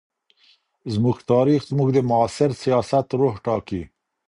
زموږ تاریخ زموږ د معاصر سیاست روح ټاکي.